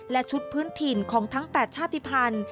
และชุดพื้นถิ่นของทั้ง๘ชาติภัณฑ์